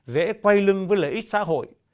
dễ quay lưng với lợi ích xã hội